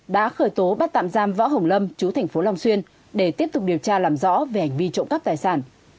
đã khởi tố bắt tạm giam võ hồng lâm chú thành phố long xuyên để tiếp tục điều tra làm rõ về hành vi trộm cắp tài sản